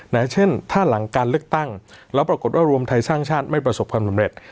เช่นถ้าหลังการเลือกตั้งแล้วปรากฏว่ารวมไทยสร้างชาติไม่ประสบความสำเร็จ